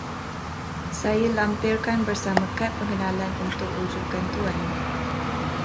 Saya lampirkan bersama kad pengenalan untuk rujukan Tuan.